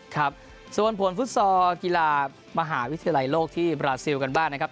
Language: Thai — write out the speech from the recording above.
ครับส่วนผลฟุตซอลกีฬามหาวิทยาลัยโลกที่บราซิลกันบ้างนะครับ